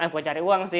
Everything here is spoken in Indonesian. eh bukan cari uang sih